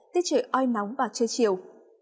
tiết trời oi nóng và trưa chiều